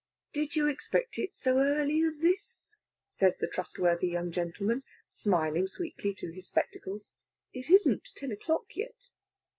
"Did you expect it so early as this?" says the trustworthy young gentleman, smiling sweetly through his spectacles. "It isn't ten o'clock yet."